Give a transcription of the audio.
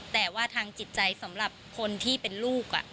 แต่ว่าทางจิตใจสำหรับคนที่เป็นลูก